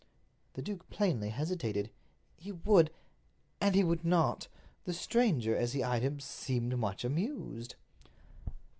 The duke plainly hesitated. He would—and he would not. The stranger, as he eyed him, seemed much amused.